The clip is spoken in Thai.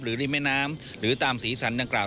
ริมแม่น้ำหรือตามสีสันดังกล่า